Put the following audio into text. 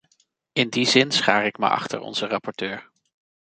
In die zin schaar ik me achter onze rapporteur.